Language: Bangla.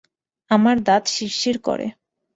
আমার দাঁত শিরশির করে।